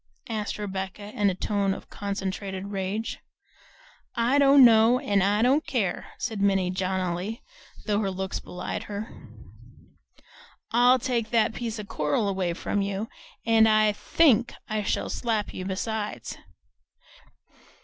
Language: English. asked Rebecca in a tone of concentrated rage. "I don't know and I don't care," said Minnie jauntily, though her looks belied her. "I'll take that piece of coral away from you, and I THINK I shall slap you besides!"